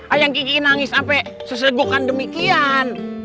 ayang kiki nangis sampai sesegukan demikian